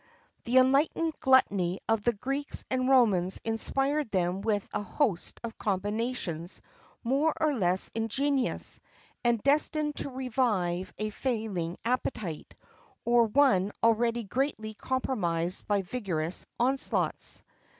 [XXIV 3] The enlightened gluttony of the Greeks and Romans inspired them with a host of combinations more or less ingenious, and destined to revive a failing appetite, or one already greatly compromised by vigorous onslaughts.